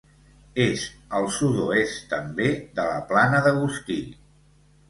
És al sud-oest, també, de la Plana d'Agustí.